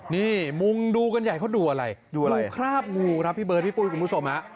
นี่มุงดูกันใหญ่เขาดูอะไรดูคราบงูครับพี่เบิร์ดพี่ปูยกุธพุทธมฮะ